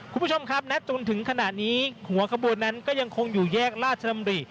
คุณผู้ชมครับณจนถึงขณะนี้หัวขบวนนั้นก็ยังคงอยู่แยกราชดำริ